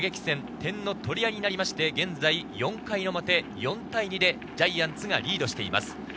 点の取り合いになって現在４回表、４対２でジャイアンツがリードしています。